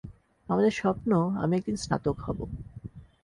আমাদের স্বপ্ন আমি একদিন স্নাতক হব।